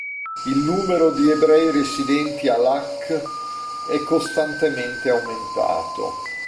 Il numero di ebrei residenti a Luc'k è costantemente aumentato.